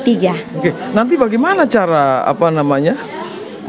oke nanti bagaimana cara apa namanya mengatasi problem problem ini